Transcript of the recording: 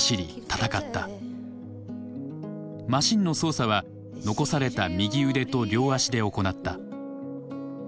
マシンの操作は残された右腕と両足で行った。